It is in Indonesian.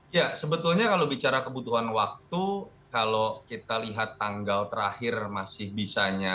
ya sebetulnya kalau bicara kebutuhan waktu kalau kita lihat tanggal terakhir masih bisanya